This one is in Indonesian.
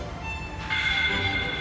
dia tidak sengaja melakukan itu